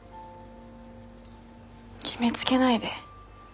決めつけないで。